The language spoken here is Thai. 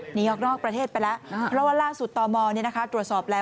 หนีออกนอกประเทศไปแล้วเพราะว่าล่าสุดตมตรวจสอบแล้ว